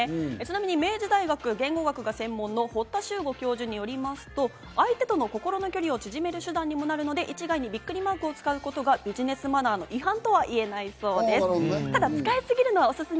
ちなみに明治大学言語学が専門の堀田秀吾教授によりますと、相手との心の距離を縮める手段にもなるので、一概に「！」マークを使うことがビジネスマナーの違反とは言えないそうです。